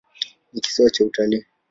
Ni kisiwa cha utalii.